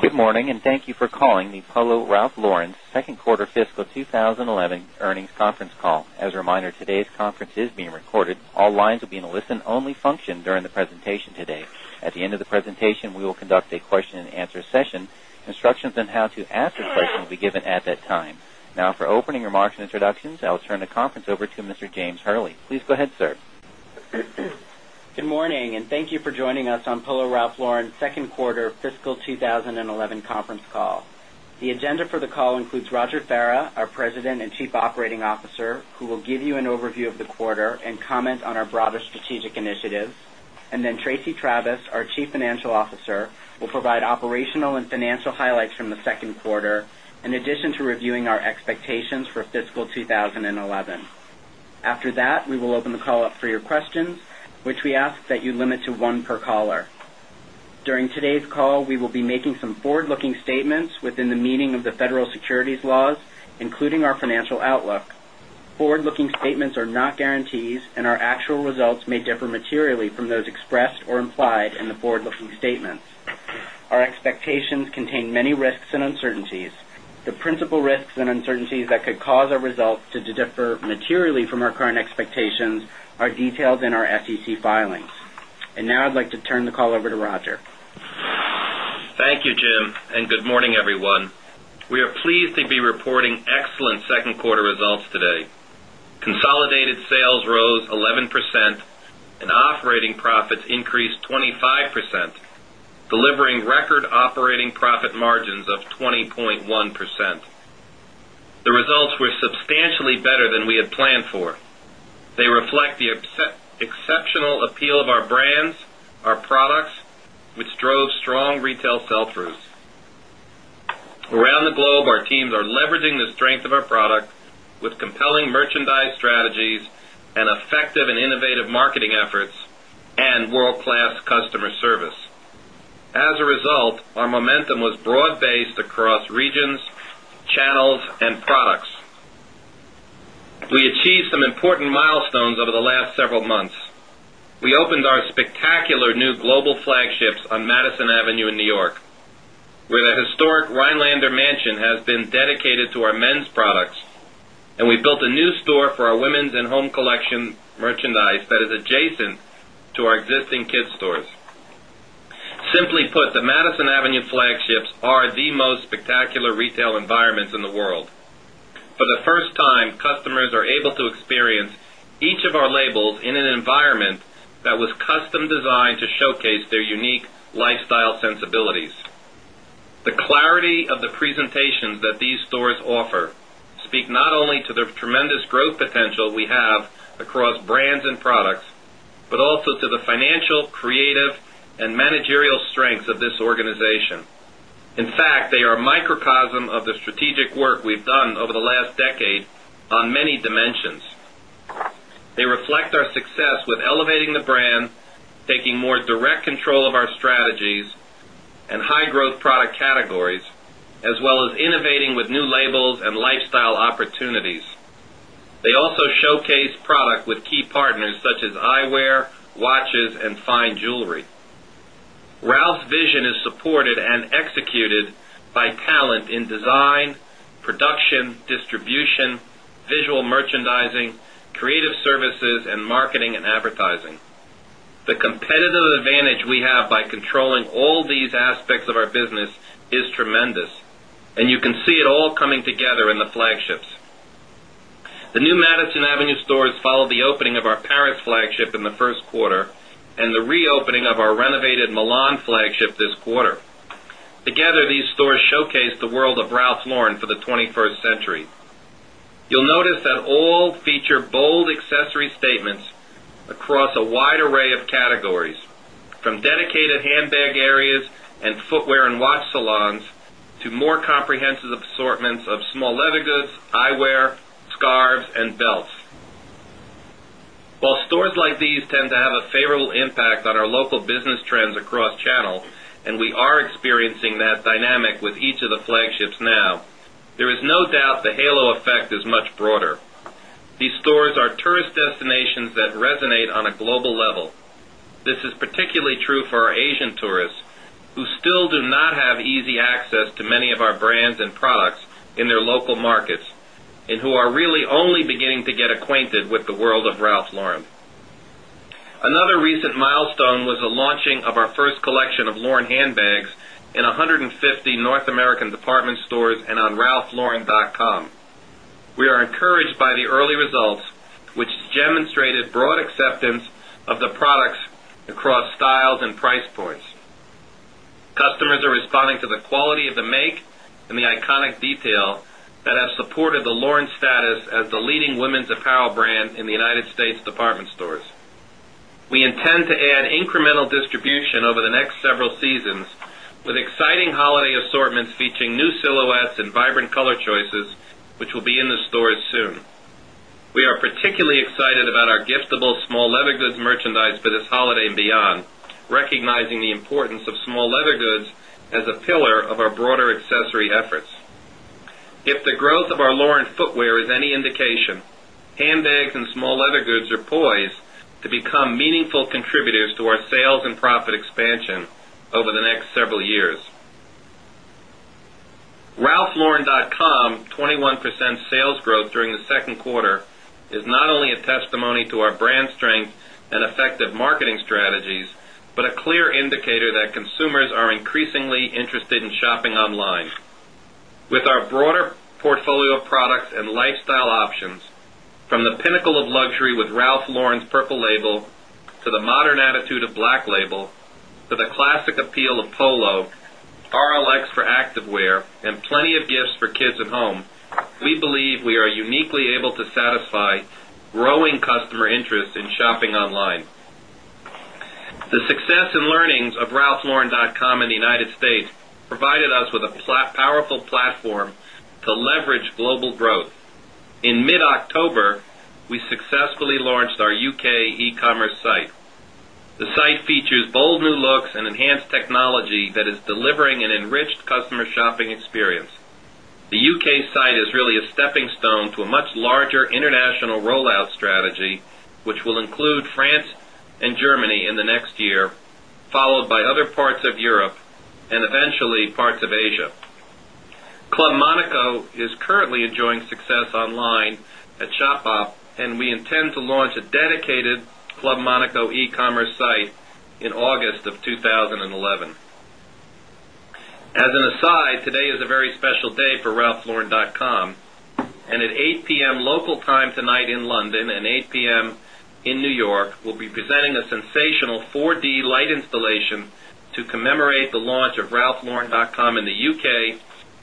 Good morning and thank you for calling the Polo Ralph Lauren's Second Quarter Fiscal twenty eleven Earnings Conference Call. As a reminder, today's conference is being recorded. All lines will be in a listen only function during the presentation today. At the end of the presentation, we will conduct a Now for opening remarks and introductions, I will turn the conference over to Mr. James Hurley. Please go ahead, sir. Good morning and thank you for joining us on Polo Ralph Lauren's Q2 fiscal 20 11 conference call. The agenda for the call includes Roger Ferra, our President and Chief Operating Officer, who will give you an overview of the quarter and comment on our broader strategic initiatives and then Tracy Travis, our Chief Financial Officer, will provide operational and financial highlights from the Q2 in addition to reviewing our expectations for fiscal 2011. After that, we will open the call up for your questions, which we ask that you limit to 1 per caller. During today's call, we will be making some forward looking statements within the meaning of the federal securities laws, including our financial outlook. Forward looking statements are not guarantees, and our actual results may differ materially from those expressed or implied in the forward looking statements. Our expectations filings. And now I'd like to turn the call over to Roger. Thank you, Jim, and good morning, everyone. We are pleased to be reporting excellent second quarter results today. Consolidated sales rose 11% and operating profits increased 25%, delivering record operating profit margins of 20.1%. The results were substantially better than we had planned for. They reflect the exceptional appeal of our brands, our products, which drove strong retail sell throughs. Around the globe, our teams are leveraging the strength of our product with compelling merchandise strategies and innovative marketing efforts and world class customer service. As a result, our momentum was broad based across regions, channels and products. We achieved some important milestones over the last several months. We opened our spectacular new global flagships on Madison Avenue in New York, where the historic Rhinelander mansion has been dedicated to our men's products and we built a new store for our women's and home collection merchandise that is adjacent to our existing kids stores. Simply put, the Madison Avenue flagships are the most spectacular retail environments in the world. For the first time customers are able to experience each of our labels in an environment that was custom designed to showcase their unique lifestyle sensibilities. The clarity of the presentations that these stores offer speak not only to the tremendous growth potential we have across brands and products, but also to the financial, creative and managerial strengths of this organization. In fact, they are microcosm of the strategic work we've done over the last decade on many dimensions. They reflect our success with elevating the brand, taking more direct control of our strategies and high growth product categories as well as innovating with new labels and lifestyle opportunities. They also showcase product with key partners such as eyewear, watches and fine jewelry. Ralph's vision is Ralph's vision is supported and executed by talent in design, production, distribution, visual merchandising, creative services and marketing and advertising. The competitive advantage we have by controlling all these aspects of our business is tremendous and you can see it all coming together in the flagships. The new Madison Avenue stores follow the opening of our Paris flagship in the Q1 and the reopening of our renovated Milan flagship this quarter. Together these stores showcase the world of Ralph Lauren for the 21st century. You'll notice that all feature bold accessory statements across a wide array of categories from dedicated handbag areas and footwear and watch salons to more comprehensive assortments of small leather goods, eyewear, scarves and belts. While stores like these tend to have a favorable impact on our local business trends across channel and we are experiencing that dynamic with each of the flagships now, there is no doubt the halo effect is much broader. These stores are tourist destinations that resonate on a global level. This is particularly true for our Asian tourists who still do not have easy access to many of our brands and products in their local markets and who are really only beginning to get acquainted with the world of Ralph Lauren. Another milestone was the launching of our first collection of Lauren handbags in 150 North American department stores and on ralphlauren.com. We are encouraged by the early results, which demonstrated broad acceptance the products across styles and price points. Customers are responding to the quality of the make and the iconic detail that have supported the Lauren status as the leading women's apparel brand in the United States department stores. We intend to add incremental distribution over the next several seasons with exciting holiday assortments featuring new silhouettes and vibrant color choices, which will be in the stores soon. We are particularly excited about our giftable small leather goods merchandise for this holiday and beyond, recognizing the importance of small leather goods as a pillar of our broader accessory efforts. If the growth of our Lauren footwear is any indication, handbags and small leather goods are poised to become meaningful contributors to our sales and profit expansion over the next several years. Ralphlauren.com21% sales growth during the Q2 is not only a testimony to our brand strength and effective marketing strategies, but a clear indicator that consumers are increasingly interested in shopping online. With our broader portfolio of of products and lifestyle options from the pinnacle of luxury with Ralph Lauren's Purple Label to the modern attitude of Black Label to the classic appeal of Polo, RLX for activewear and plenty of gifts for kids at home, we believe uniquely able to satisfy growing customer interest in shopping online. The success and learnings of ralphlauren.com in the United States provided us with a powerful platform to leverage global growth. In mid October, we successfully launched our UK e commerce site. The site features bold new looks and enhanced technology that is delivering an enriched customer shopping experience. The UK is really a stepping stone to a much larger international rollout strategy, which will include France and Germany in the next year, followed by other parts of Europe and eventually parts of Asia. Club Monaco is currently enjoying success online at ShopUp and we intend to launch a dedicated Club Monaco e commerce site in August of 2011. As an aside, today is a very special day for ralphlauren.com and at 8 pm local time tonight in London and 8 pm in New York, we'll be presenting a sensational 4 d light installation to commemorate the launch of ralphlauren.com in the U. K.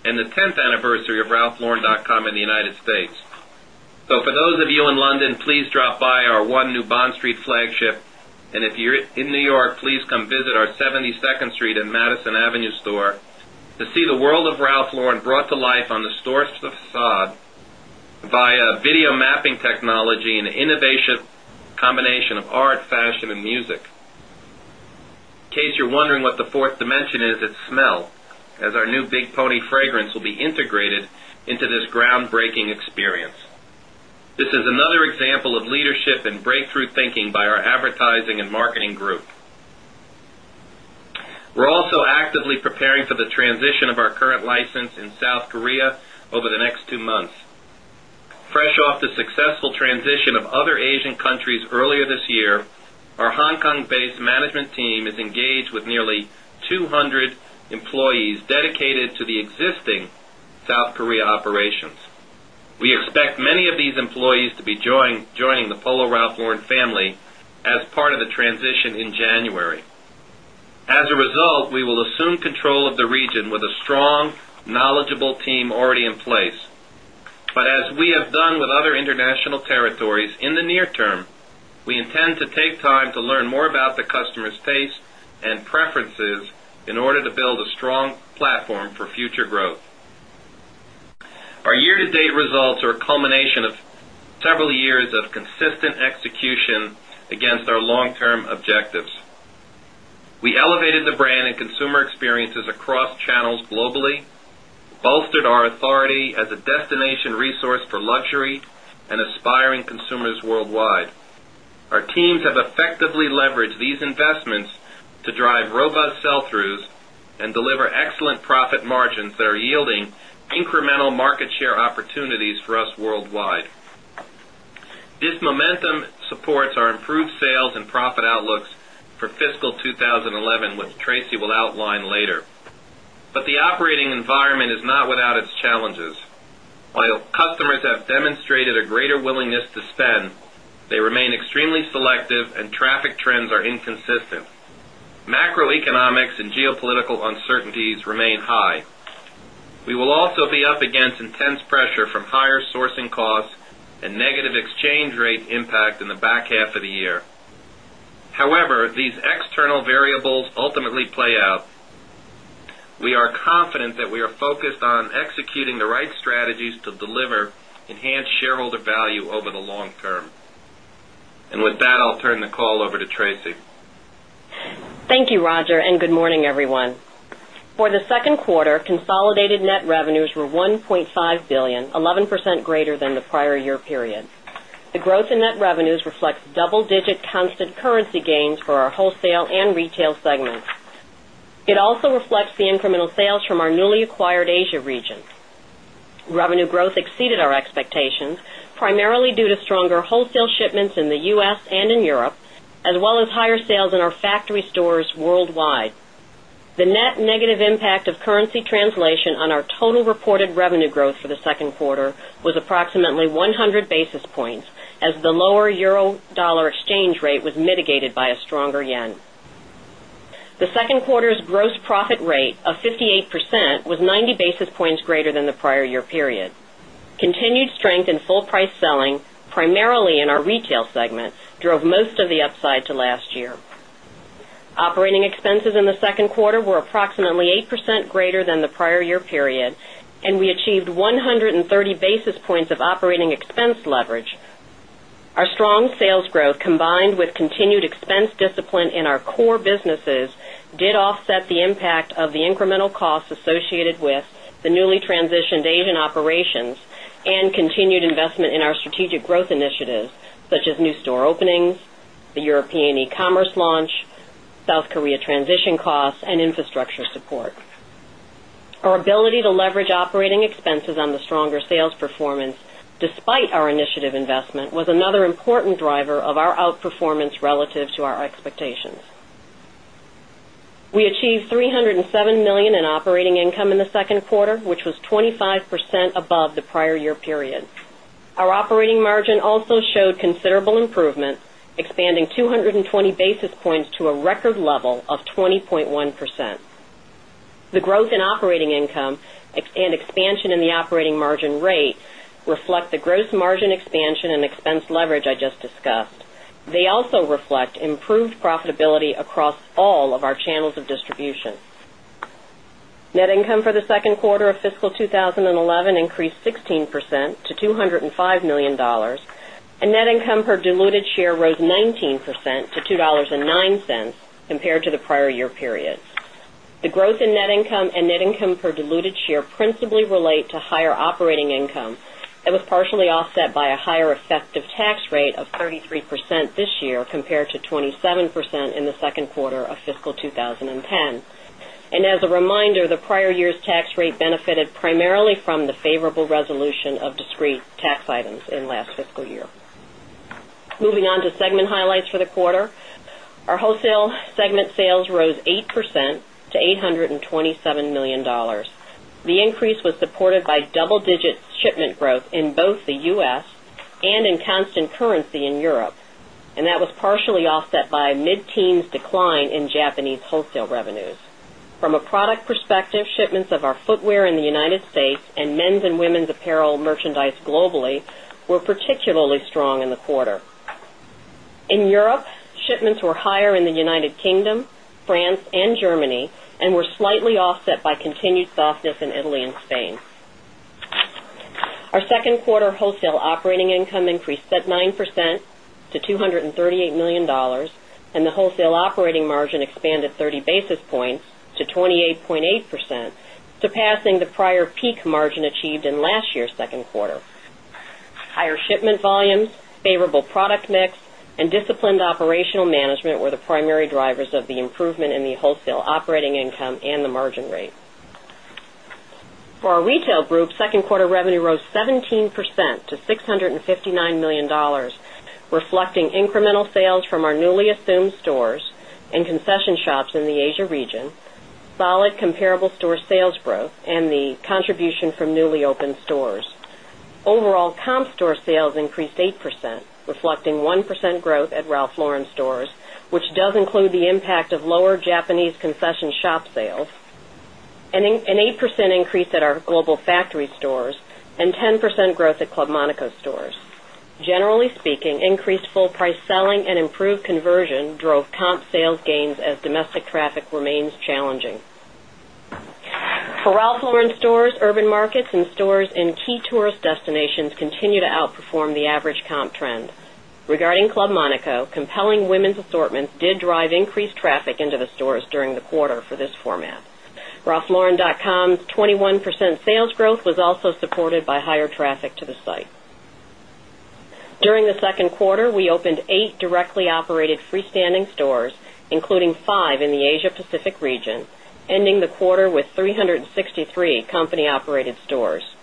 And the 10th anniversary of ralphlauren.com in the United States. So for those of you in London, please drop by our 1 new Bond Street flagship. And if you're in New York, please come visit our 72nd and Madison Avenue store to see the world of Ralph Lauren brought to life on the store's facade via video mapping technology and innovation combination of art, fashion and music. In case you're wondering what the 4th dimension is, it smell as our new big pony fragrance will be integrated into this groundbreaking experience. This is another example of leadership and breakthrough thinking by our advertising and marketing group. We're also actively preparing for the transition of our current license in South Korea over the next 2 months. Fresh off the successful transition of other Asian countries earlier this year, our Hong Kong based management team is engaged with nearly 200 employees dedicated to the existing South Korea operations. We expect many of these employees to be joining the Polo Ralph Lauren family part of the transition in January. As a result, we will assume control of the region with a strong knowledgeable team already in place. But as we have done with other international territories in the near term, we intend to take time learn more about the customers' taste and preferences in order to build a strong platform for future growth. Our year to date results are a culmination of several years of consistent execution against our long term objectives. We elevated the brand and consumer experiences across channels globally, bolstered our authority as a destination resource for luxury and aspiring consumers worldwide. Our teams have effectively leveraged these investments to drive robust sell throughs and deliver excellent profit margins that are yielding incremental market opportunities for us worldwide. This momentum supports our improved sales and profit outlooks for fiscal 2011, which Tracy will outline later. But the operating environment is not without its challenges. While customers have demonstrated a greater willingness to spend, they remain extremely selective and traffic trends are inconsistent. Macroeconomics and geopolitical uncertainties remain high. We will also be up against intense pressure from higher sourcing costs and negative exchange rate impact in the back half of the year. However, these external variables ultimately play out. We are confident that we are focused on executing the right strategies to deliver enhanced shareholder value over the long term. And with that, I'll turn the call over to Tracy. Thank you, Roger, and good morning, everyone. For the Q2, consolidated net revenues were 1,500,000,000, 11% greater than the prior year period. The growth in net revenues reflects double digit constant currency gains for our wholesale and retail segments. It also reflects the incremental the incremental sales from our newly acquired Asia region. Revenue growth exceeded our expectations, primarily due to stronger wholesale shipments in the U. S. And in Europe as well as higher sales in our factory stores worldwide. The net negative impact of currency translation on our on our total reported revenue growth for the Q2 was approximately 100 basis points as the lower euro dollar exchange rate was mitigated by a stronger yen. The second quarter's gross profit rate of 58% was 90 basis points greater than the prior year period. Continued strength in full price selling, primarily in our retail segment, drove most of the upside to last year. Operating expenses in the second quarter were approximately 8% greater than the prior year period, and we achieved 130 basis points of operating expense leverage. Our strong sales growth combined with continued expense discipline in our core businesses did offset the impact of the incremental costs associated with the newly transitioned Asian operations and continued investment in our strategic growth initiatives such as new store openings, the European e commerce launch, South Korea transition costs and infrastructure support. Our ability to leverage operating expenses on the stronger sales performance despite our initiative investment was another important driver of our outperformance relative to our expectations. We achieved DKK307 1,000,000 in operating income in the second quarter, which was 25% above the prior year period. Our operating margin also showed considerable improvement, expanding 220 basis points to a record level of 20.1%. The growth in operating income and expansion in the operating margin rate reflect the gross margin expansion and expense leverage I just discussed, they also reflect improved profitability across all of our channels of distribution. Net income for the Q2 of fiscal 2011 increased 16% to $205,000,000 and net income per diluted share rose 19% to $2.09 compared to the prior year period. The growth in net income and net income per diluted share principally relate to higher operating income that was partially offset by a higher effective tax rate of 33% this year compared to 27% in the Q2 of fiscal 2010. And as a reminder, the prior year's tax rate benefited primarily from the favorable resolution of discrete tax items in last fiscal year. Moving on to segment highlights for the quarter. Our wholesale segment sales rose 8% to $827,000,000 The increase was supported by double digit shipment growth in both the U. S. And in constant currency in Europe, and that was partially offset by mid teens decline in Japanese wholesale revenues. From a product perspective, shipments of our footwear in the United States and men's and women's apparel merchandise globally were particularly strong in the quarter. In Europe, shipments were higher in the United Kingdom, France and Germany and were slightly offset by offset by continued softness in Italy and Spain. Our 2nd quarter wholesale operating income increased at 9% to $238,000,000 and the wholesale operating margin expanded 30 basis points to 20 8.8%, surpassing the prior peak margin achieved in last year's Q2. Higher shipment volumes, favorable product mix and disciplined operational management were the primary drivers of the improvement in the wholesale operating income and the margin rate. For our retail group, 2nd quarter revenue rose 17% to $659,000,000 reflecting incremental sales from our newly assumed stores and concession shops in the Asia region, solid comparable store sales growth and the contribution from newly opened stores. Overall, comp store sales increased 8%, reflecting 1% growth at Ralph Lauren stores, which does include the impact of lower Japanese concession shop sales and an 8% increase at our Global Factory stores and 10% growth at Club Monaco stores. Generally speaking, increased full price selling and improved conversion drove comp sales gains as domestic traffic remains challenging. For Ralph Lauren stores, urban markets and stores in key tourist destinations continue to outperform the average comp trend. Regarding Club Monaco, compelling women's assortments did drive increased traffic into the stores during the quarter for this format. Ralphlauren.com's 21% sales growth was also supported by higher traffic to the site. During the Q2, we opened 8 directly operated freestanding stores, including 5 in the Asia Pacific region, ending the quarter with 363 company operated stores.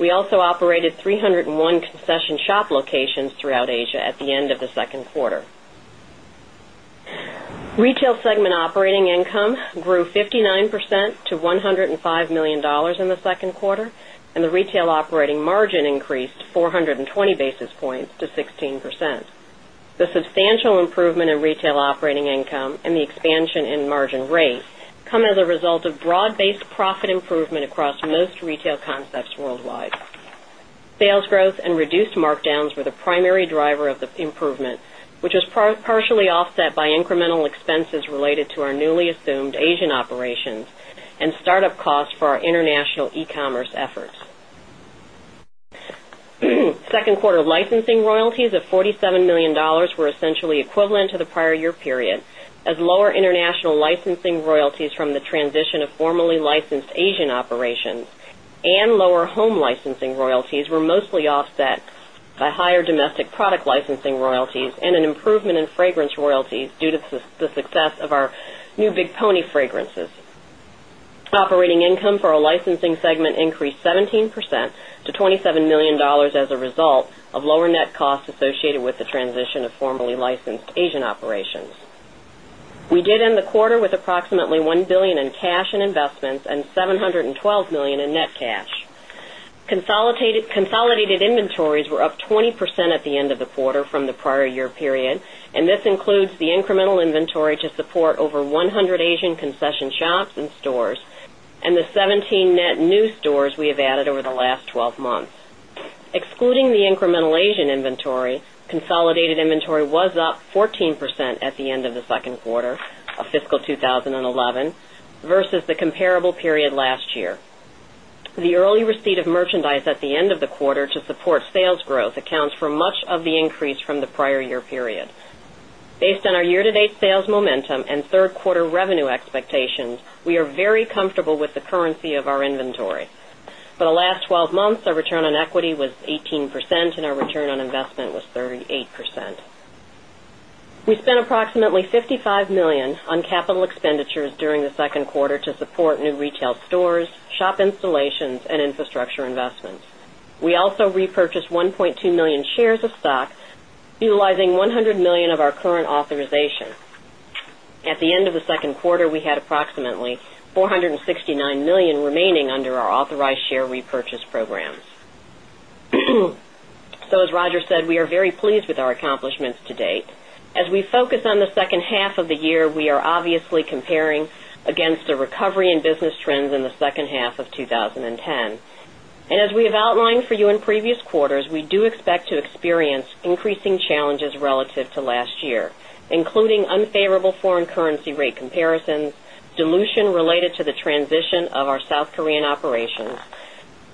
We also operated 301 concession shop locations throughout Asia at the end of the quarter. Retail segment operating income grew 59 percent to $105,000,000 in the 2nd quarter and the retail operating margin increased 4 20 basis points to 16%. The substantial improvement in retail operating income and the expansion in margin rate come as a result of broad based profit improvement across most retail concepts worldwide. Sales growth and reduced markdowns were the primary driver the improvement, which was partially offset by incremental expenses related to our newly assumed Asian operations and start up costs for our international e commerce efforts. 2nd quarter licensing royalties of 47 $1,000,000 were essentially equivalent to the prior year period as lower international licensing royalties from the transition of formerly licensed Asian operations and lower home licensing royalties were mostly offset by higher domestic product licensing royalties and an improvement in fragrance royalties due to the success of our new Big Pony Fragrances. Operating income for our licensing segment increased 17% to $27,000,000 as a result of lower net costs associated with the transition of formerly licensed Asian operations. We did end the quarter with approximately $1,000,000,000 in cash and investments and $712,000,000 in net cash. Consolidated inventories were up 20 in March. Consolidated inventories were up 20% at the end of the quarter from the prior year period, and this includes the incremental inventory to support over 100 Asian concession shops and stores and the 17 net new stores we have added over the last 12 months. Excluding the incremental Asian inventory, consolidated inventory was up 14% at the end of the Q2 of fiscal 2011 versus the comparable period last year. The early receipt of merchandise at the end of the quarter to support sales growth accounts for much of the increase from the prior year period. Based on our year to date sales momentum and Q3 revenue expectations, we are very comfortable with the currency of our inventory. For the last 12 months, our return on equity was 18% and our return on investment was 38%. We spent approximately CHF 55,000,000 DKK55 1,000,000 on capital expenditures during the Q2 to support new retail stores, shop installations and infrastructure investments. We also repurchased 1,200,000 shares of stock, utilizing DKK100 1,000,000 of our current authorization. At the end of the second quarter, we had approximately 469,000,000 remaining under our authorized share repurchase programs. So as Roger said, we are very pleased with our accomplishments to date. As we focus on the second half of the year, we are obviously comparing against the recovery in business trends in the second half of twenty ten. And as we have outlined for you in previous quarters, we do expect to experience increasing challenges challenges relative to last year, including unfavorable foreign currency rate comparisons, dilution related to the transition of our South Korean operations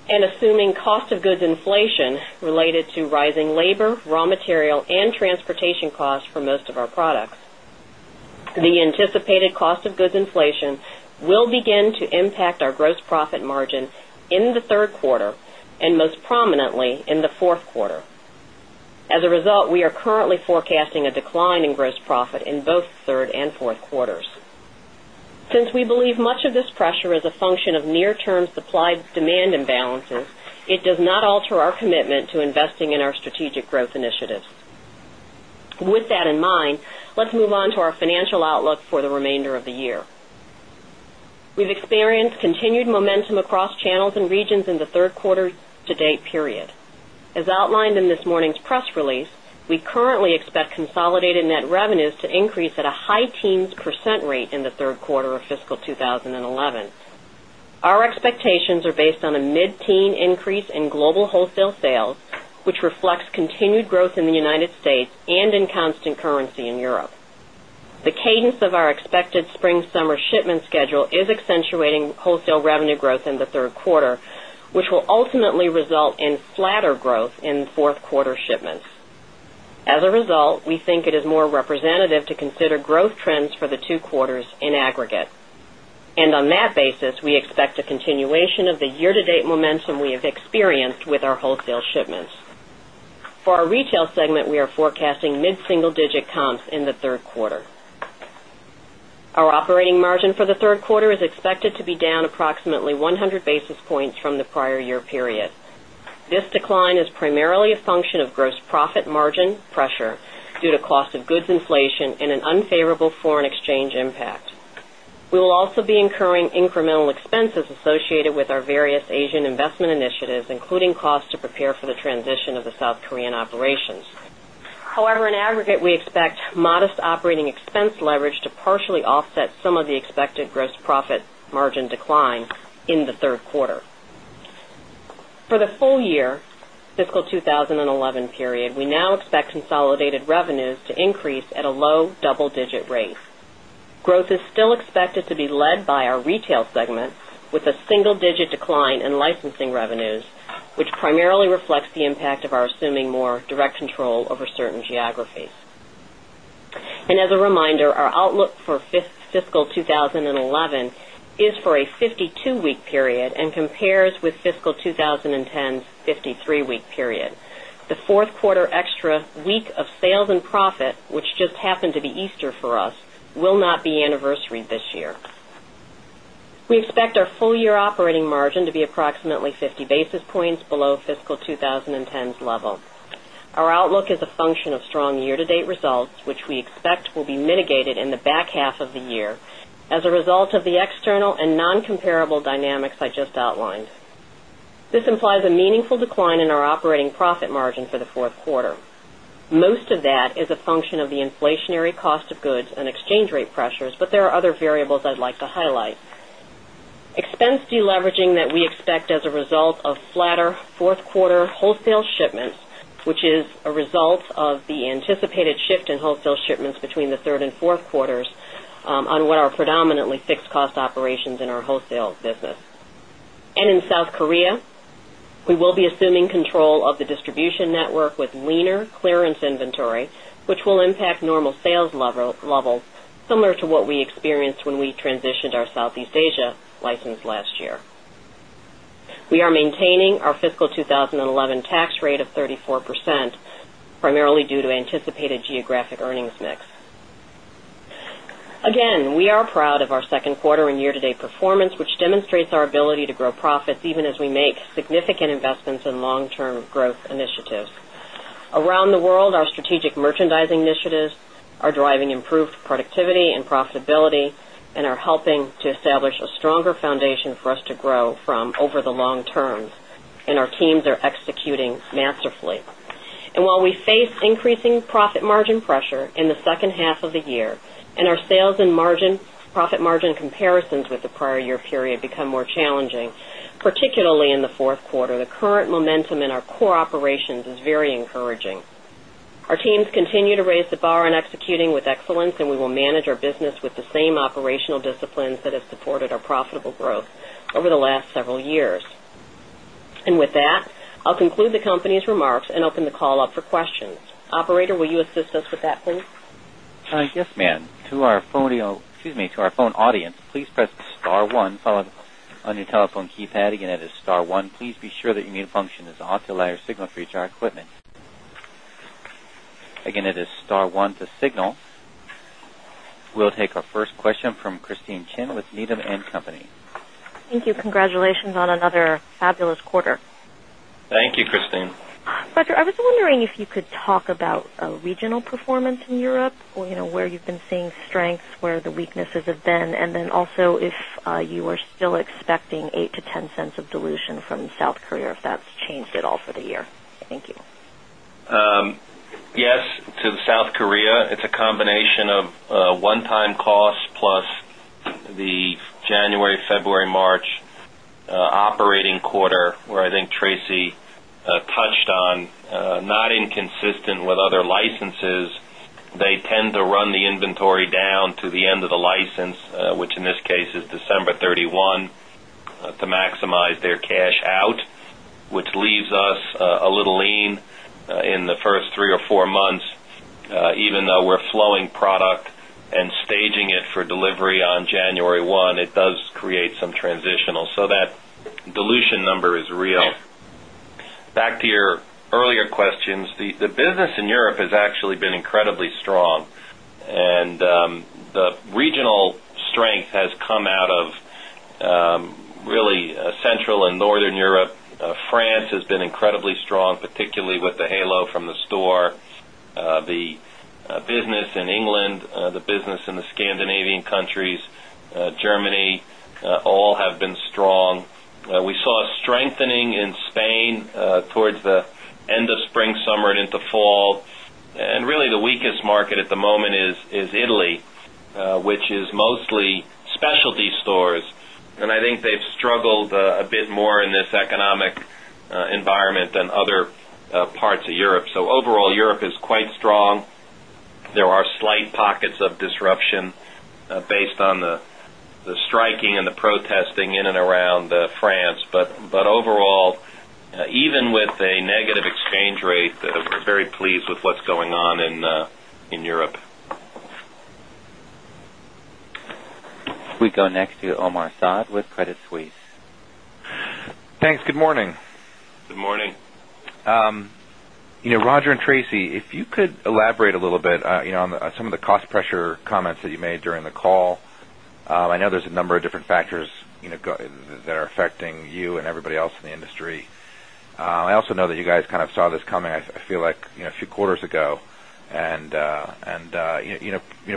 and assuming cost of goods inflation related to rising labor, raw material anticipated cost of goods inflation will begin to impact our gross profit margin in the 3rd quarter and most prominently in the 4th quarter. As a result, we are currently forecasting a decline in gross profit in both 3rd and 4th quarters. Since we believe much of this pressure is a function of near term supply demand imbalances, it does not alter investing in our strategic growth initiatives. With that in mind, let's move on to our financial outlook for the remainder of the year. We've experienced continued momentum across channels and regions in the Q3 to date period. As outlined in this morning's press release, we currently expect consolidated net revenues to increase at a high teens percent rate in the Q3 of fiscal 20 11. Our expectations are based on a mid teen increase in global wholesale sales, which reflects continued growth in the United States and in constant currency in Europe. The cadence of our expected springsummer shipment schedule is accentuating wholesale revenue growth in the Q3, which will ultimately result in flatter growth in 4th quarter shipments. As a result, we think it is more representative to consider growth trends for the 2 quarters in aggregate. And on that basis, we expect a continuation of the year to date momentum we have experienced with our wholesale shipments. For our Retail segment, we are forecasting mid single digit comps in the 3rd quarter. Our operating margin for the 3rd quarter is expected to be down approximately 100 basis points from the prior year period. This decline is primarily a function of gross profit margin pressure due to cost of goods inflation and an unfavorable foreign exchange impact. We will also be incurring incremental expenses associated with our various Asian investment initiatives, including costs to prepare for the transition of the South Korean operations. However, in aggregate, we expect modest operating expense leverage to partially offset some of the expected gross profit margin decline in the 3rd quarter. For the full year fiscal 2011 period, we now expect consolidated revenues to increase at a low double digit rate. Growth is still expected to be led by our Retail segment with a single digit decline in licensing revenues, which primarily reflects the impact of our assuming more direct control over certain geographies. Our assuming more direct control over certain geographies. And as a reminder, our outlook for fiscal 20 11 is for a 52 week period and compares with fiscal 20 10's 53 week period. The 4th quarter extra week of sales and profit, which just happened to be Easter for us, will not be anniversaried this year. We expect our full year operating margin to be approximately 50 basis points below fiscal 20 10's level. Our outlook is a function of strong year to date results, which we expect will be mitigated in the back half of the year as a result of the external and non comparable dynamics I just outlined. This implies a meaningful decline in our operating profit margin for the 4th quarter. Most of that is a function of the inflationary cost of goods and exchange rate pressures, but there are other variables I'd like to highlight. Expense deleveraging that we expect as a result of flatter 4th quarter wholesale shipments, which is a result of the anticipated shift in wholesale shipments between the 3rd and 4th quarters on what are predominantly fixed cost operations in our wholesale business. And in South Korea, we will be assuming control of the distribution network with leaner clearance inventory, which will impact normal sales levels similar to what we experienced when we transitioned our Southeast Asia license last year. We are maintaining our fiscal 2011 tax rate of 34%, primarily due to anticipated geographic earnings mix. Again, we are proud of our 2nd quarter and year to date performance, which demonstrates our ability to grow profits even as we make significant investments in long term growth initiatives. Around the world, our strategic merchandising initiatives are driving improved productivity and profitability and are helping to establish a stronger foundation for us to grow from over the long term. In our a stronger foundation for us to grow from over the long term, and our teams are executing masterfully. And while we face increasing profit margin pressure in the second half of the year and our sales and profit margin comparisons with the prior year period become more challenging, particularly in the Q4, the current momentum in our core operations is very encouraging. Our teams continue to raise the bar in executing with excellence, and we will manage our business with the same operational disciplines that have supported us in the excellence and we will manage our business with the same operational disciplines that have supported our profitable growth over the last several years. And with that, I'll conclude the company's remarks and open the call up for questions. Operator, will you assist us with that, please? Yes, We'll take our first question from Christine Chen with Needham and Company. Thank you. Congratulations on another fabulous quarter. Thank you, Christine. Roger, I was wondering if you could talk about regional performance in Europe, where you've been seeing strengths, where the weaknesses have been? And then also if you are still expecting $0.08 to $0.10 of dilution from South Korea, if that's changed at all for the year? Thank you. Yes. To the South Korea, it's a combination of one time cost plus the January, February, March operating quarter, where I think Tracy touched on, not inconsistent with other licenses. They tend to run the inventory down to the end of the license, which in this case is December 31 to maximize their cash out, which leaves us a little lean in the 1st 3 or 4 months. Even though we're flowing and the regional strength has come out of really Central and Northern Europe. France has been incredibly strong, particularly with the halo from the store. The business in the business in England, the business in the Scandinavian countries, Germany, all have been strong. We saw strengthening in Spain towards the end of springsummer and into fall. And really the weakest market at the moment is Italy, which is mostly specialty stores. And I think they've struggled a bit more in this economic environment than other parts of Europe. So overall, Europe is quite strong. There are slight pockets of disruption based on the striking and the protesting in and around France. But overall, even with a negative exchange rate, we're very pleased with what's going on in Europe. We go next to Omar Saad with Credit Suisse. Thanks. Good morning. Good morning. Saw this coming, I feel like, a few quarters ago. And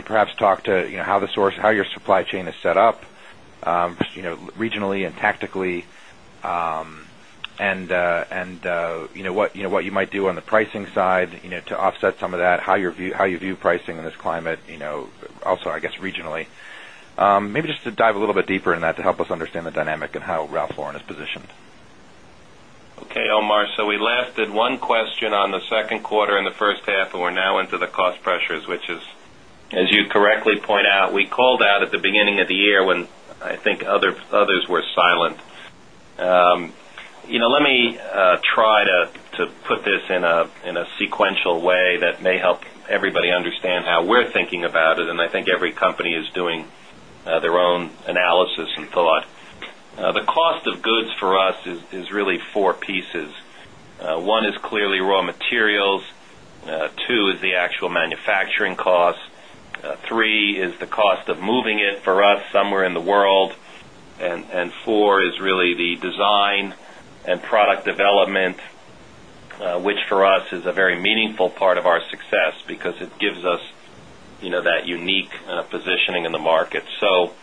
perhaps talk to how the source how your supply chain is set up regionally and tactically, and what you might do on the pricing side to offset some of that, how you view pricing in this climate, second quarter and the first half and we're now into the cost pressures. Okay, Omar. So we one question on the Q2 and the first half, and we're now into the cost pressures, which is, as you correctly point out, we called out at the beginning of the year when I think others were silent. Let me try to put this in a sequential way that may help everybody understand how we're thinking about it, and I think every company is doing their own analysis and thought. The cost of goods for us is really 4 pieces. 1 is clearly raw materials. 2 is the actual manufacturing costs. 3 is the cost of moving it for us somewhere in the world. And 4 is really the design and product development, development, which for us is a very meaningful part of our success because it gives us that unique positioning in the market. So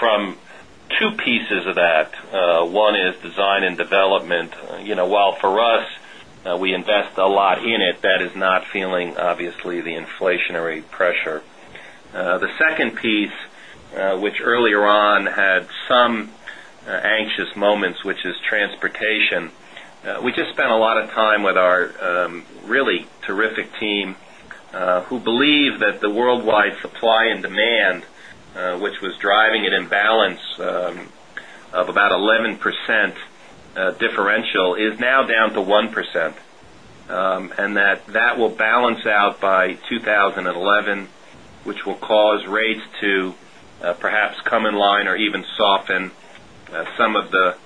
from 2 pieces of that, one is design and development. While for us, we invest a lot in it, that is not feeling obviously the inflationary pressure. The second piece, which earlier on had some anxious moments, which is transportation, We just spent a lot of time with our really terrific team who believe that the worldwide supply and demand, which was driving an imbalance of about 11% differential is now down to 1%. And that will balance out by 2011, which will cause rates to perhaps come in line or even soften some of the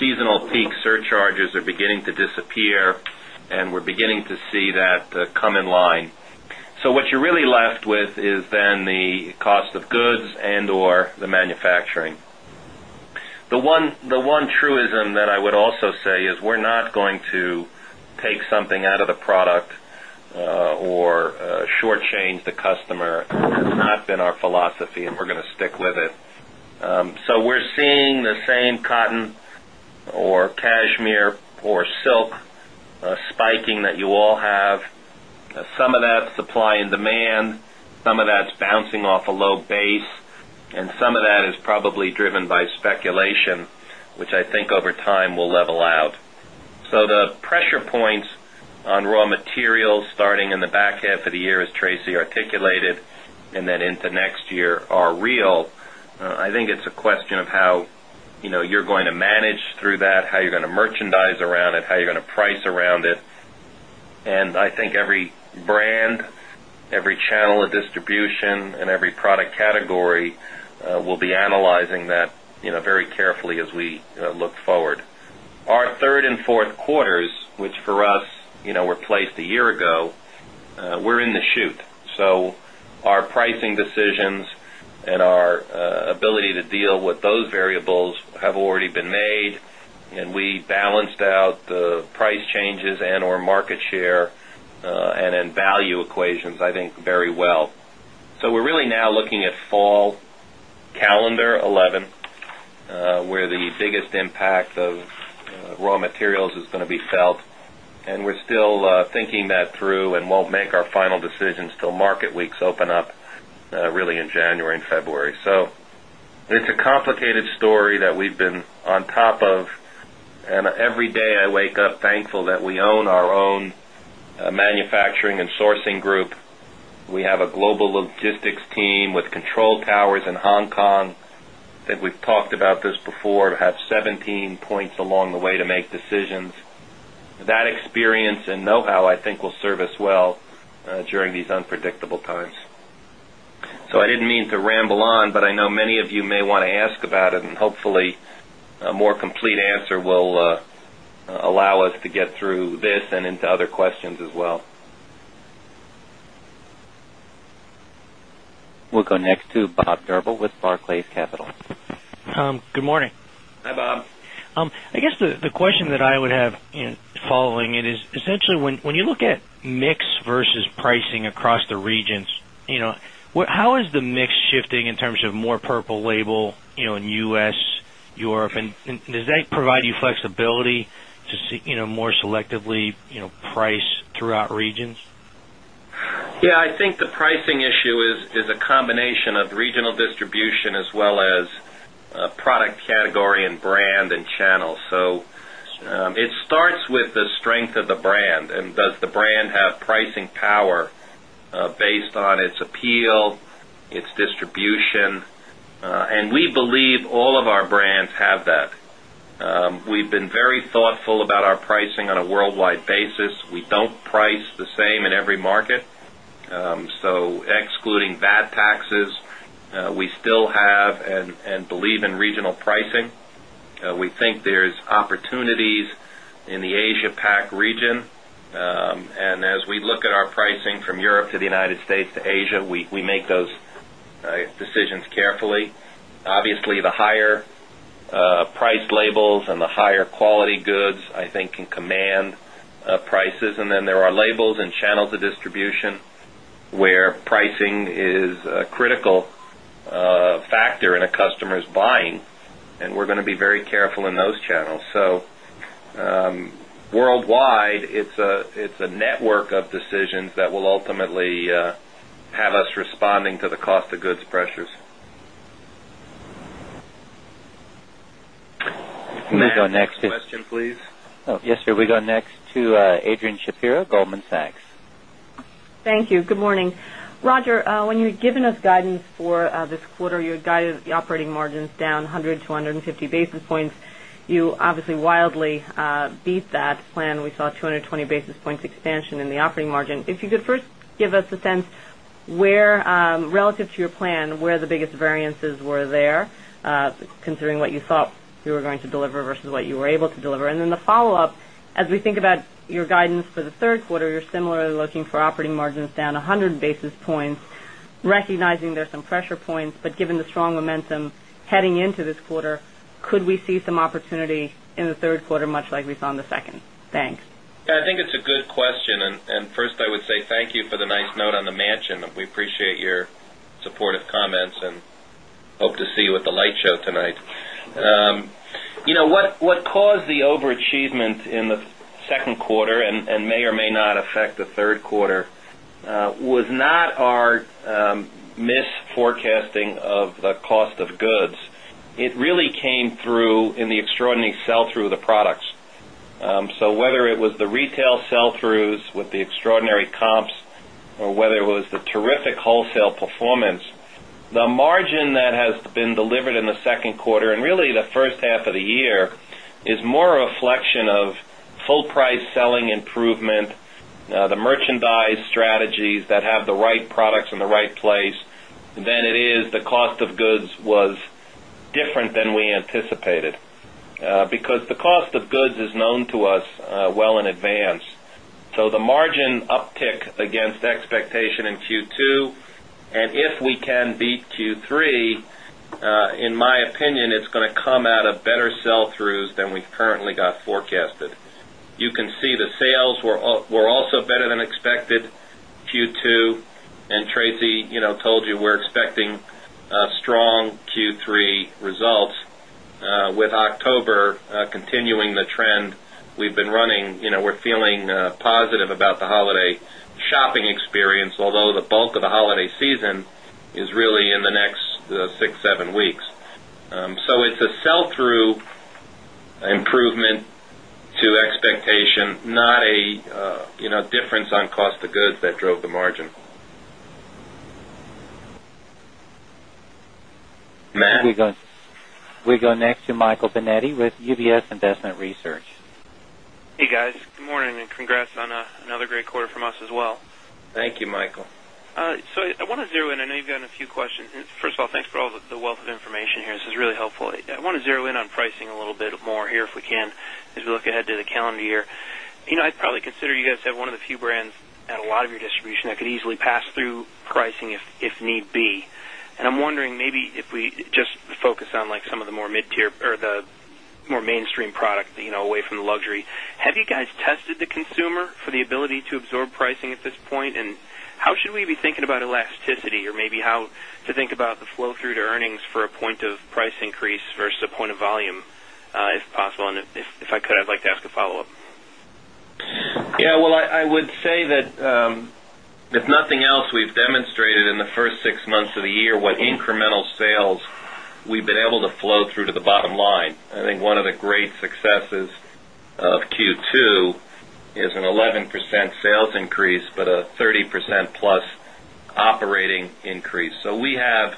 seasonal peak surcharges are beginning to disappear and we're beginning to see that come in line. So what you're really left with is then the cost of goods and or the manufacturing. The one truism that I would also say is we're not going to take something out of the product or shortchange the customer has not been our philosophy and we're going to stick with it. So we're seeing the same cotton or cashmere or silk spiking that you all have. Some of that supply and demand, some of that's bouncing off a low base and some of that is probably driven by speculation, which I think over time will level out. So the pressure points on raw materials starting in the back half of the year as Tracy articulated and then into next year are real. I think it's a question of how you're going to manage through that, how you're going to merchandise around it, how you're going to price around it. And I think every brand, every channel of distribution and every product category, we'll be analyzing that very carefully as we look forward. Our 3rd and 4th quarters, which for us were placed a year ago, we're in the chute. So our pricing decisions and our ability to deal with those variables have already been made and we balanced out the price changes and or market share and in value equations, think, very well. So we're really now looking at fall calendar 2011, where the biggest impact of raw materials is going to be felt. And we're still thinking that through and won't make our final decisions till market weeks open up really in January February. So it's a complicated story that we've been on top of. And every day I wake up thankful that we own our own manufacturing and sourcing group. We have a global logistics team with know how I think will serve us well during these unpredictable times. So I didn't mean to ramble on, but I know many of you may want to ask about it and hopefully a more complete answer will allow us to get this and into other questions as well. We'll go next to Bob Drbul with Barclays Capital. Good morning. Hi, Bob. I guess the question that I would have following it is essentially when you look at mix versus pricing across the regions, how is the mix shifting in terms of more purple label in U. S, Europe? And does that provide you flexibility to see more selectively price throughout regions? Yes. I think the pricing issue is a combination of regional distribution as well as product category and brand and channel. So it starts with the strength of the brand and does the brand have pricing power based on its appeal, its distribution. And we believe all of our brands have that. We've been very thoughtful about our pricing on a worldwide basis. We don't price the same in every market. So excluding bad taxes, we still have and believe in regional pricing. We still have and believe in regional pricing. We think there is opportunities in the Asia Pac region. And as we look at our pricing from Europe to the United States to Asia, we make those decisions carefully. Obviously, the higher price labels and the higher quality goods, I think, can command prices. And then there are labels and channels of distribution where pricing is a critical factor in a customer's buying and we're going to be very careful in those channels. So worldwide, it's a network of decisions that will ultimately have us responding to the go next to Adrian Shapiro, Goldman Sachs. Thank you. Good morning. Roger, when you've given us guidance for this quarter, you had guided the operating margins down 100 basis points to 150 basis points. You obviously wildly beat that plan. We saw 220 basis points expansion in the operating margin. If you could first give us a sense where relative to your plan, where the biggest variances were there considering what you thought you were going to deliver versus what you were able to deliver? And then the follow-up, as we think about your guidance for the Q3, you're similarly looking for operating margins down 100 basis points recognizing there's some pressure points, but given the strong momentum heading into this quarter, could we see some opportunity in the Q3 much like we saw in the second? Thanks. Yes. Think it's a good question. And first, I would say thank you for the nice note on the Mansion. We appreciate your supportive comments and hope to see you at the light show tonight. What caused the overachievement in the Q2 and may or may not affect the Q3 was not our misforecasting of the cost of goods. It really came through in the extraordinary sell through of the products. So whether it was the retail sell throughs with the extraordinary comps or whether it was the terrific wholesale performance, the margin that has been delivered in the second quarter and really the first half of the year is more a reflection of full price selling improvement, the merchandise strategies that have the right products in the right place than it is the cost of goods was different than we anticipated, because the cost of goods is known to us well in advance. So the margin uptick against expectation in Q2 and if we can beat Q3, in my opinion, it's going to come out of better sell throughs than we've currently got forecasted. You can see the sales were also better than expected Q2 and Tracy told you we're expecting strong Q3 results with October continuing the trend we've been running, we're feeling positive about the holiday shopping experience, although the bulk of the holiday season is really in the next 6, 7 weeks. So it's a sell through improvement to expectation, not a difference on cost of goods that drove the margin. Matt? We go next to Michael Binetti with UBS do in, I know you've got a few questions. First of all, thanks for all the wealth of information here. This is really helpful. I want to zero in on pricing a little bit more here if we can, as we look ahead to the calendar year. I'd probably consider you guys have one of the few brands at a lot of your distribution that could easily pass through pricing if need be. And I'm wondering maybe if we just focus on like some of the more mid tier or the more mainstream product away from the luxury. Have you guys tested the consumer for the ability to absorb pricing at this point? And how should we be thinking about elasticity or maybe how to think about the flow through to earnings for a point of price increase versus a point of volume, if possible? And if I could, I'd like to ask a follow-up. Yes. Well, I would say that, if nothing else, we've demonstrated in the 1st 6 months of the year what incremental sales we've been able to flow through the bottom line. I think one of the great successes of Q2 is an 11% sales increase, but a 30% plus operating increase. So we have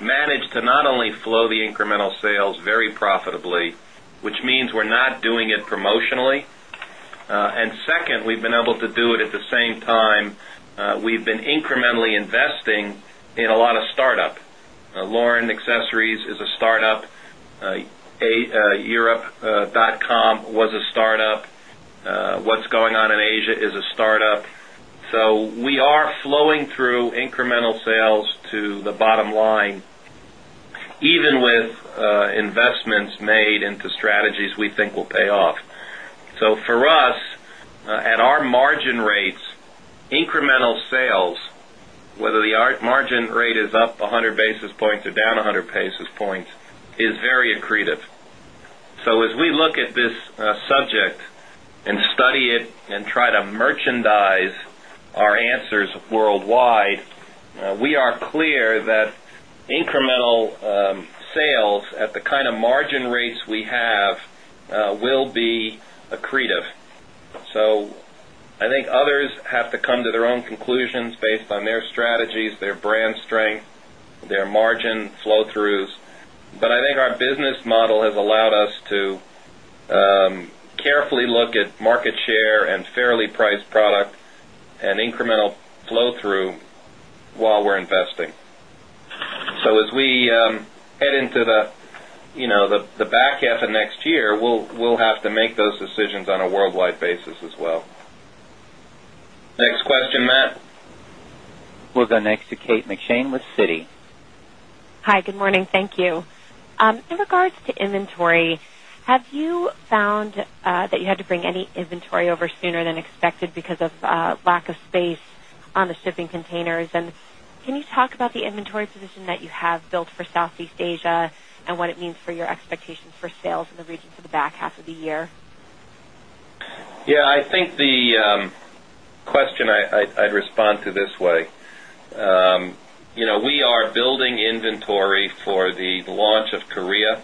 managed to not only flow the incremental sales very profitably, which means we're not doing it promotionally. And second, we've been able to do it at the same time, we've been incrementally investing in a lot of startup. Lauren Accessories is a startup, europe.com was a startup, what's going on in Asia is a startup. So we are flowing through incremental sales to the bottom line even with investments made into strategies we think will pay off. So for us, at our margin rates, incremental sales, whether the margin rate is up 100 basis points or down 100 basis points is very accretive. So as we look at this subject and study it and try to merchandise our answers worldwide, we are clear that incremental sales at the kind of margin rates we have will be accretive. So I think others have to come to their own conclusions based on their strategies, their brand strength, their margin flow throughs. But I think our business model has allowed us to carefully look at market share and fairly priced product and incremental flow through while we're investing. So as we head into the back half of next year, we'll have to make those decisions on a worldwide basis as well. Next question, Matt. We'll go next to Kate McShane with Citi. Hi, good morning. Thank you. In regards to inventory, have you found that you had to bring any inventory over sooner than expected because of lack of space on the shipping containers? And can you talk about the inventory position that you have built for Southeast Asia and what it means for your expectations for sales in the region for the back half of the year? Yes. I think the question I'd respond to this way. We are building inventory for the launch of Korea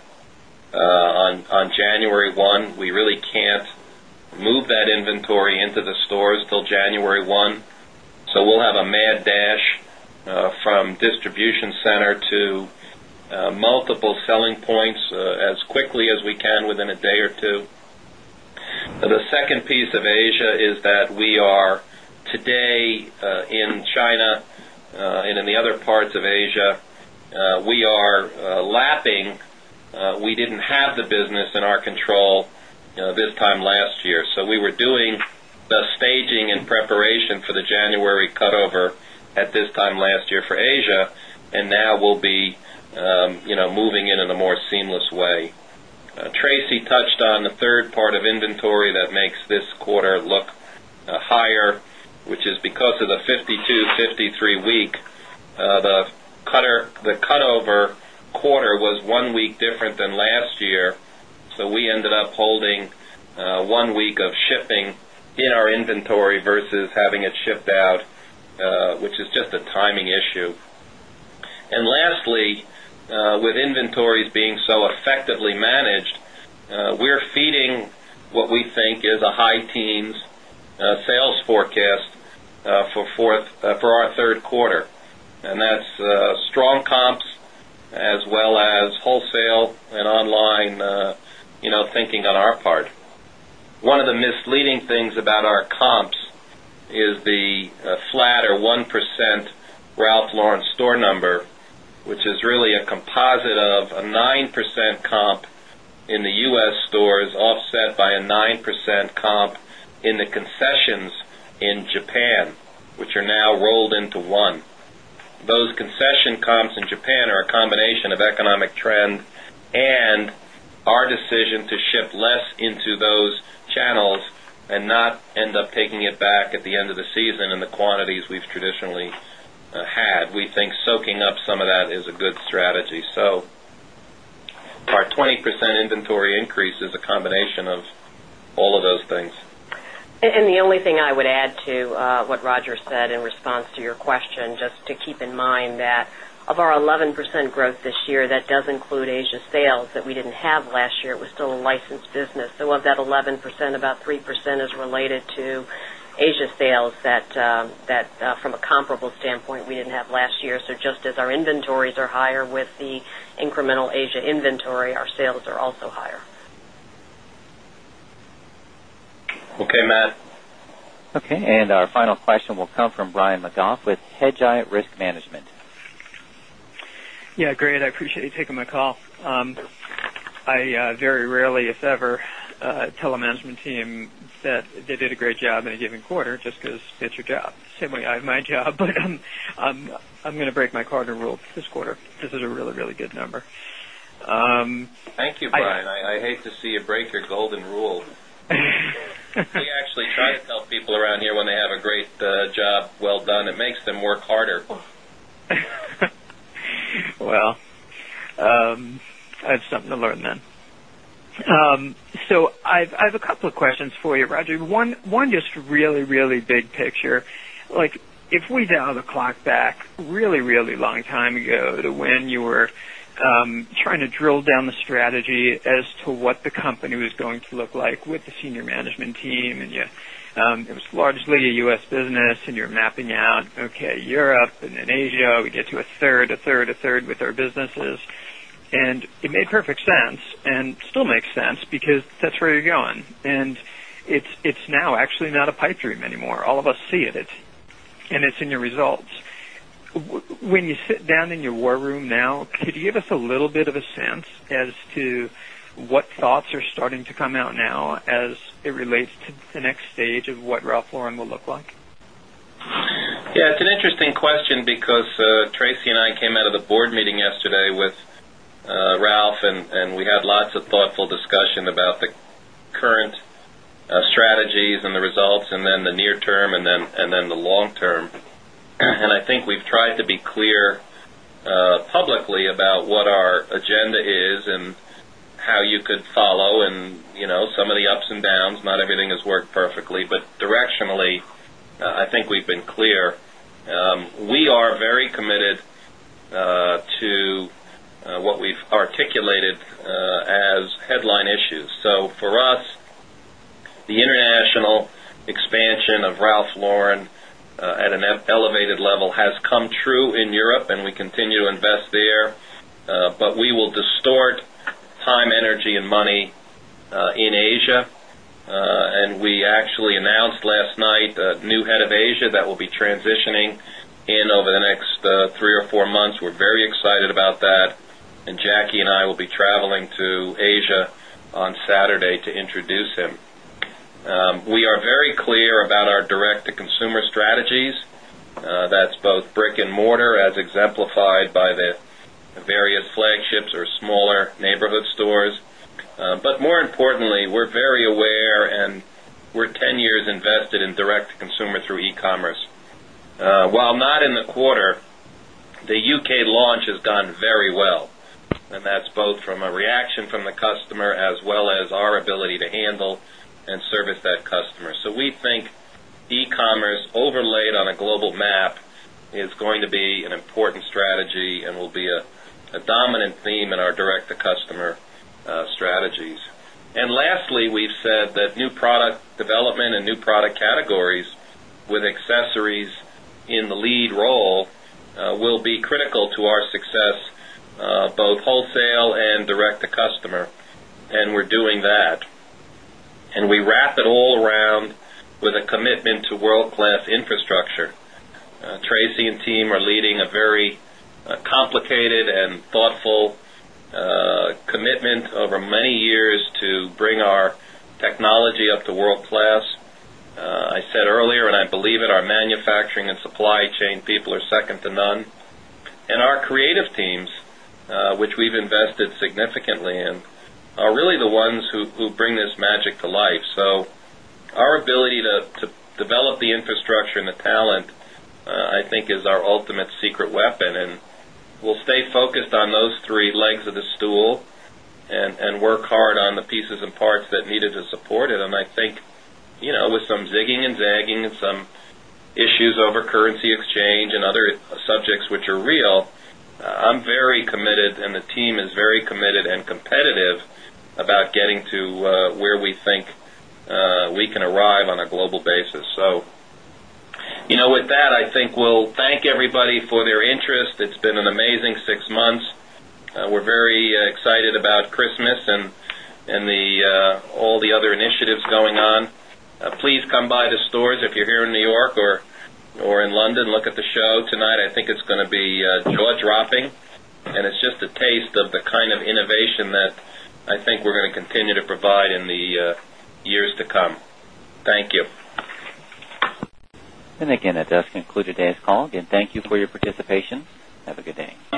on January 1. We really can't move that inventory into the stores till January 1. So we'll have a mad dash from distribution center to other parts of Asia, we are lapping. We didn't have the business in our control this time last year. So we were doing the staging in preparation for the January cutover at this time last year for Asia and now we'll be moving in a more seamless way. Tracy touched on the 3rd part of inventory that makes this quarter look higher, which is because of the 52, 53 week. The cutover quarter was 1 week different than last year. So we ended up holding 1 week of shipping in our inventory versus having it shipped out, which is just a timing issue. And lastly, with inventories being so effectively managed, we are feeding what we think is a high teens sales forecast for 4th our Q3. And that's strong comps as well as wholesale and online thinking on our part. One of the misleading things about our comps is the flatter one percent Ralph Lauren store number, which is really a composite of a 9% comp in the U. S. Stores offset by a 9% comp in the concessions in Japan, which are now rolled into 1. Those concession comps in Japan are a combination of economic trend and our decision to ship less into those channels and not end up taking it back at the end of the season in the quantities we've traditionally had. We think soaking up some of that is a good strategy. So our 20% inventory increase is a combination of all of those things. And the only thing I would add to what Roger said in response to your question, just to keep in mind that of our 11% growth this year that does include Asia sales that we didn't have last year, it was still a licensed business. So of that 11%, about 3 percent is related to Asia sales that from a comparable standpoint, we didn't have last year. So just as our inventories are higher with the incremental Asia inventory, our sales are also higher. Okay, Matt. Okay. And our final question will come from Brian Magoff with Hedgeye Risk Management. Yes, great. I appreciate you taking my call. I very rarely if ever tell the management team that they did a job in a given quarter just because it's your job, same way I have my job, but I'm going to break my cardinal rule this quarter. This is a really, really good number. Thank you, Brian. I hate to see you break your golden rule. We actually try to tell people around here when they have a great job well done. It makes them work harder. Well, I have something to learn then. So I have a couple of questions for you, Roger. One just really, really big picture. Like if we dial the clock back really, really long time ago to when you were trying to drill down the strategy as to what the company was going to look like with the senior management team and it was largely a U. S. Business and you're mapping out, okay, Europe and then Asia, we get to a third, a third, a third with our businesses. And it made perfect sense and still makes sense because that's where you're going. And it's now actually not a pipe dream anymore. All of us see it and it's in your results. When you sit down in your war room now, could you give us a little bit of a sense as to what thoughts are starting to come out now as it relates to the next stage of what Ralph Lauren will look like? Yes. It's an interesting question because Tracy and I came out of the Board meeting yesterday with Ralph and we had lots of thoughtful discussion about the current strategies and the results and then the near term and then the long term. And I think we've tried to be clear publicly about what our agenda is and how you could follow and some of the ups and downs, not everything has worked perfectly. But directionally, I think we've been clear. We are very committed to what we've articulated as headline issues. So for us, the international expansion of Ralph Lauren at an elevated level has come true in Europe and we continue to invest there, but we will distort time, energy and money in Asia. And we actually announced last night a new Head of Asia that will be transitioning in over the next 3 or 4 months. We're very excited about that. And Jackie and I will be traveling to Asia on Saturday to introduce him. We are very clear about our direct to consumer strategies. That's both brick and mortar as exemplified by the various flagships or smaller neighborhood stores. But more importantly, we're very aware and we're 10 years invested in direct to consumer through e commerce. While not in the quarter, the UK launch has gone very well and that's both from a reaction from the customer as well as our ability to handle and service that customer. So we think e commerce overlaid on a global map is going to be an important strategy and will be a dominant theme in our direct to customer strategies. And lastly, we've said that new product development and new product categories with accessories in the lead role will be critical to our success both wholesale and direct to customer and we're doing that. And we wrap it all around with a commitment to world class infrastructure. Tracy and team are we people are second to none. And our creative teams, which we've invested significantly in, are really the ones who bring this magic to life. So our ability to develop the infrastructure and the talent, I think is our ultimate secret weapon and we'll stay focused on those three legs of the stool and work hard on the pieces and parts that needed to support it. And I think with some zigging and zagging and some issues over currency exchange and other subjects which are real, I'm very committed and the team is very committed and competitive about getting to where we think we can arrive on a global basis. So with that, I think we'll thank everybody for their interest. It's been an amazing 6 months. We're very excited about Christmas and all the other initiatives going on. Please come by the stores if you're here in New York or in London, look at the show tonight. I think it's going to be jaw dropping and it's just a taste of the kind of innovation that I think we're going to continue to provide in the years to come. Thank you. And again, that does conclude today's call. Again, thank you for your participation. Have a good day.